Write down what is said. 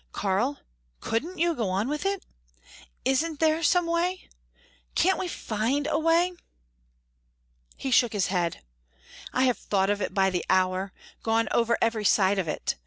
"Karl, couldn't you go on with it? Isn't there some way? Can't we find a way?" He shook his head. "I have thought of it by the hour gone over every side of it.